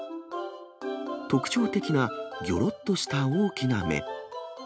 特徴的なぎょろっとした大きな目。